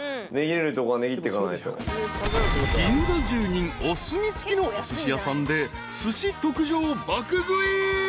［銀座住人お墨付きのおすし屋さんで寿司特上を爆食い。